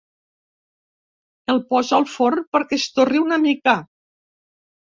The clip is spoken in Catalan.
El posa al forn perquè es torri una mica.